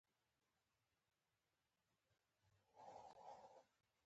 مه پرېږدئ ماشومان مو سینه بغل شي.